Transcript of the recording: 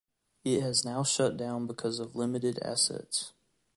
It has now shut down because of limited assets.